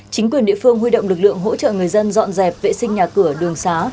chính quyền địa phương huy động lực lượng hỗ trợ người dân dọn dẹp vệ sinh nhà cửa đường xá